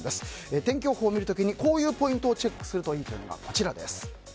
天気予報を見る時にこういうポイントをチェックするといいそうです。